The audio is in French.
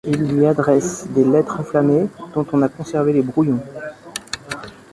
Il lui adresse des lettres enflammées, dont on a conservé les brouillons.